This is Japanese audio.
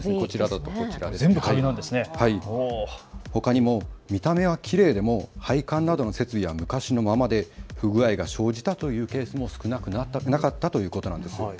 ほかにも見た目はきれいでも配管などの設備は昔のままで不具合が生じたというケースも少なくなかったということなんです。